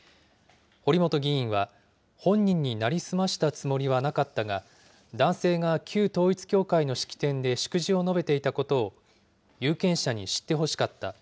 堀本議員は本人に成り済ましたつもりはなかったが、男性が旧統一教会の式典で祝辞を述べていたことを有権者に知ってほしかった。